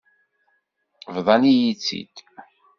Bḍan-iyi-tt-id.